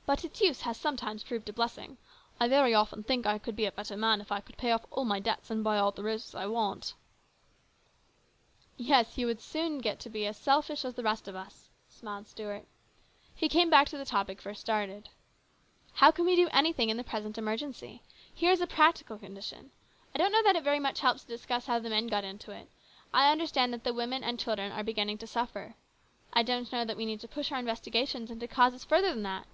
" But its use has sometimes proved a blessing. I very often think I could be a better man if I could pay off all my debts and buy all the roses I want." " Yes, you would then get to be as selfish as the rest of us," smiled Stuart. He came back to the topic first started. " How can we do anything in the present emergency ? Here is a practical condi tion. I don't know that it helps very much to discuss how the men got into it ; I understand that women and children are beginning to suffer. I don't know that we need to push our investigations into causes further than that."